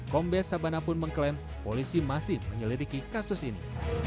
kombes sabana pun mengklaim polisi masih menyelidiki kasus ini